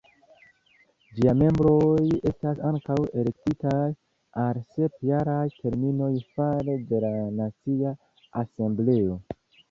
Ĝiaj membroj estas ankaŭ elektitaj al sep-jaraj terminoj fare de la Nacia Asembleo.